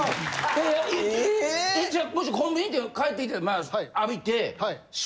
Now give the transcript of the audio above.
えじゃあもしコンビニ行って帰ってきてまあ浴びて。